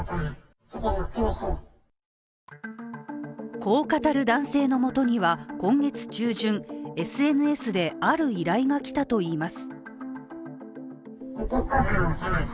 こう語る男性のもとには今月中旬、ＳＮＳである依頼が来たといいます。